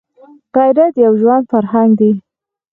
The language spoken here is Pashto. غیرت یو ژوندی فرهنګ دی